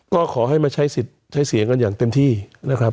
ก็ขอให้คุณมาใช้เสียงกันอย่างเต็มที่ครับ